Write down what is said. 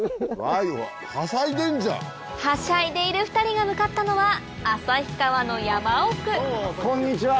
はしゃいでいる２人が向かったのはこんにちは！